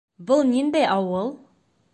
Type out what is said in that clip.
Был ниндәй ауыл?